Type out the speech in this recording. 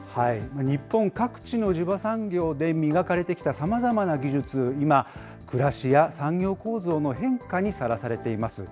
日本各地の地場産業で磨かれてきたさまざまな技術、今、暮らしや産業構造の変化にさらされています。